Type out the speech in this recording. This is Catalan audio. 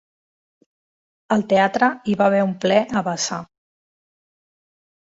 Al teatre hi va haver un ple a vessar.